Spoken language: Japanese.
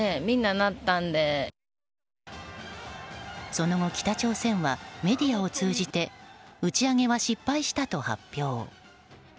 その後、北朝鮮はメディアを通じて打ち上げは失敗したと発表。